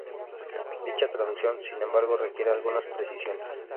Dicha traducción, sin embargo, requiere algunas precisiones.